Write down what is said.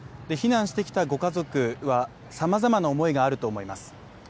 避難してきたご家族はさまざまな思いがあると思います。